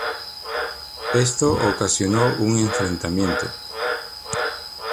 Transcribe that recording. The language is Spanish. Esto ocasionó un enfrentamiento.